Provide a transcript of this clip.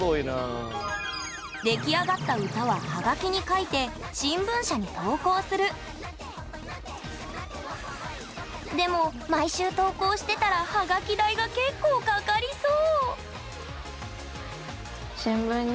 出来上がった歌はハガキに書いて新聞社に投稿するでも毎週投稿してたらハガキ代が結構かかりそう！